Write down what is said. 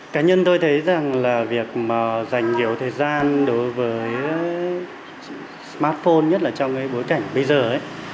cá nhân tôi thấy rằng là việc mà dành nhiều thời gian đối với smartphone nhất là trong cái bối cảnh bây giờ ấy